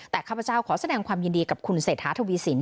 แต่ข้าพเจ้าขอแสดงความยินดีกับคุณเศรษฐาทวีสิน